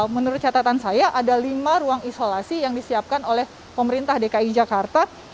menurut catatan saya ada lima ruang isolasi yang disiapkan oleh pemerintah dki jakarta